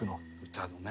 歌のね。